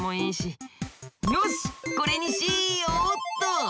よしこれにしようっと！